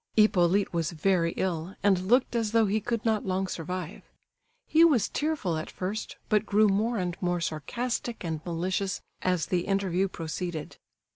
Hippolyte was very ill, and looked as though he could not long survive. He was tearful at first, but grew more and more sarcastic and malicious as the interview proceeded.